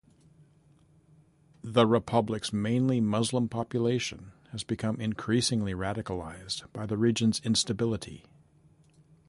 The republic's mainly Muslim population has become increasingly radicalised by the region's instability.